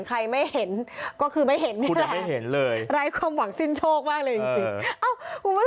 ใครไม่เห็นก็คือไม่เห็นนี่แหละไร้ความหวังสิ้นโชคมากเลยจริง